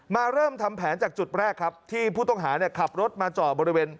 มาเริ่มทำแผนจากจุดแรกที่ผู้ต้องหาขับรถมาจอบริเวณ